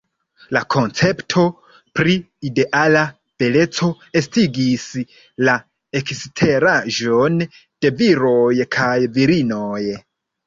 La koncepto pri ideala beleco estigis la eksteraĵon de viroj kaj virinoj.